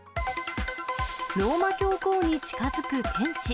ローマ教皇に近づく天使。